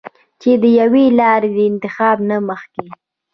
چې د يوې لارې د انتخاب نه مخکښې